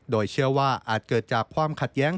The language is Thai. โดยเชื่อว่าอาจเกิดจากความขัดแย้ง